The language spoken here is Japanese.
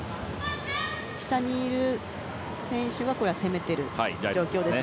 下にいる選手は攻めている状況です。